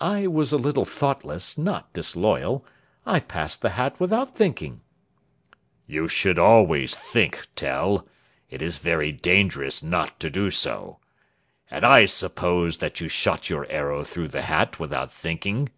"I was a little thoughtless, not disloyal. I passed the hat without thinking." "You should always think, Tell. It is very dangerous not to do so. And I suppose that you shot your arrow through the hat without thinking?"